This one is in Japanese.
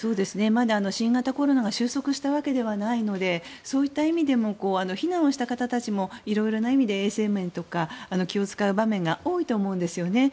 まだ新型コロナが収束したわけではないのでそういった意味でも避難をした方たちもいろんな意味で衛生面とか気を使う場面が多いと思うんですよね。